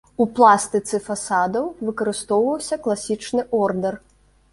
У пластыцы фасадаў выкарыстоўваўся класічны ордар.